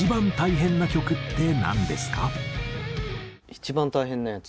一番大変なやつ。